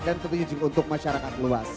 dan tentunya juga untuk masyarakat luas